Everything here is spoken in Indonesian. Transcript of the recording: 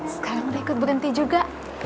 sekarang udah ikut berhenti juga